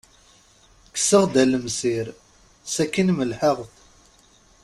Kkseɣ-d alemsir, sakin melḥeɣ-t.